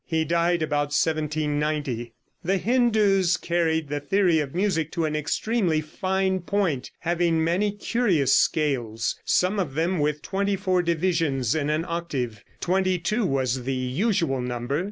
He died about 1790.)] The Hindoos carried the theory of music to an extremely fine point, having many curious scales, some of them with twenty four divisions in an octave. Twenty two was the usual number.